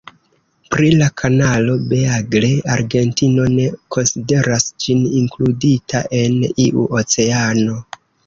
Pri la kanalo Beagle, Argentino ne konsideras ĝin inkludita en iu oceano.